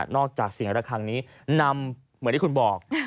จากเสียงระคังนี้นำเหมือนที่คุณบอก